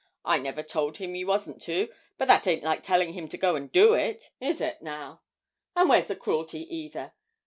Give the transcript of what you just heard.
I never told him he wasn't to but that ain't like telling him to go and do it, is it now? And where's the cruelty, either?